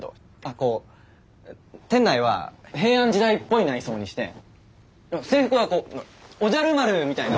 こう店内は平安時代っぽい内装にして制服はこうおじゃる丸みたいな。